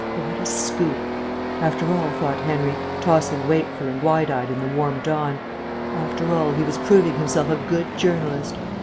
What a scoop! After all, thought Henry, tossing wakeful and wide eyed in the warm dawn, after all he was proving himself a good journalist.